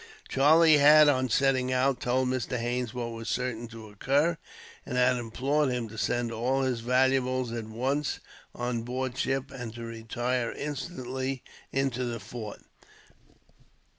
Charlie had, on setting out, told Mr. Haines what was certain to occur; and had implored him to send all his valuables, at once, on board ship; and to retire instantly into the fort.